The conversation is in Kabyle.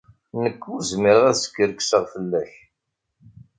Nekk ur zmireɣ ad skerkseɣ fell-ak.